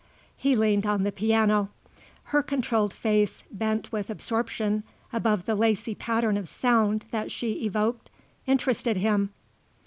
He leaned on the piano. Her controlled face, bent with absorption above the lacey pattern of sound that she evoked, interested him.